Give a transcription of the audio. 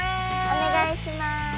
お願いします。